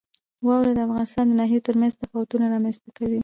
واوره د افغانستان د ناحیو ترمنځ تفاوتونه رامنځته کوي.